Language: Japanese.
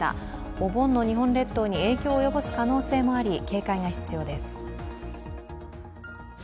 お盆の日本列島に影響を及ぼす可能性があり警戒が必要です。